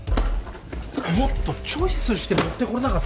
もっとチョイスして持ってこれなかったの？